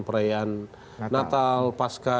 perayaan natal pasca